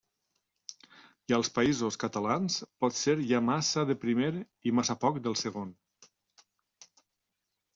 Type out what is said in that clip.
I als Països Catalans potser hi ha massa del primer i massa poc del segon.